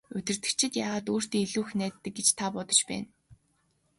Удирдагчид яагаад өөртөө илүү их найддаг гэж та бодож байна?